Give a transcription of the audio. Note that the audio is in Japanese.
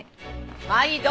まいど。